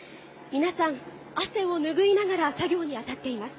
皆さん、汗を拭いながら作業に当たっています。